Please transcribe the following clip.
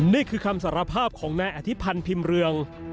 นี่คือคำสารภาพของนายอธิพันธ์พิมพ์เรือง